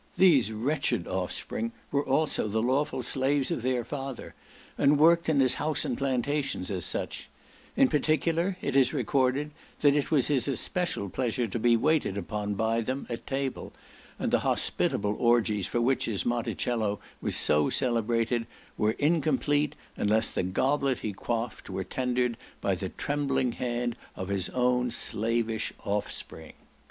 These wretched offspring were also the lawful slaves of their father, and worked in his house and plantations as such; in particular, it is recorded that it was his especial pleasure to be waited upon by them at table, and the hospitable orgies for which his Montecielo was so celebrated, were incomplete, unless the goblet he quaffed were tendered by the trembling hand of his own slavish offspring.